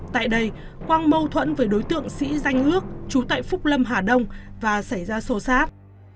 tại đây quang mâu thuẫn với đối tượng sĩ danh ước chú tại phúc lâm hà đông và xảy ra sô sát